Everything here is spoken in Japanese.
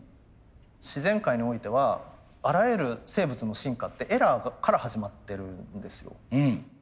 自然界においてはあらゆる生物の進化ってエラーから始まってるんですよ。